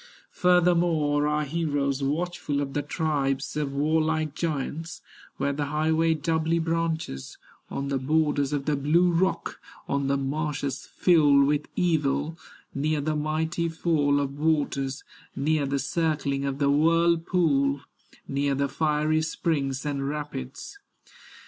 Furthermore are heroes watchful Of the tribes of warlike giants, Where the highway doubly branches, On the borders of the blue rock, On the marshes filled with evil, Near the mighty fall of waters, Near the circling of the whirlpool, Near the fiery springs and rapids.